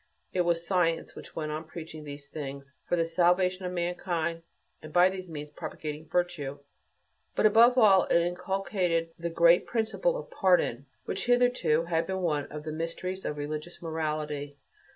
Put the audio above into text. It was science which went on preaching these things for the salvation of mankind, and by these means propagating virtue. But above all, it inculcated the great principle of "pardon," which hitherto had been one of the mysteries of religious morality.